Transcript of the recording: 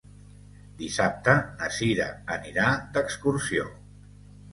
Dissabte na Sira anirà d'excursió.